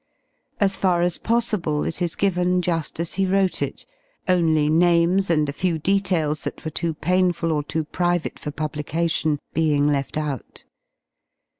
Asfar~as possible it is given juSi as he wrote it, only names and a few details that were too painful or too private for publication being left out.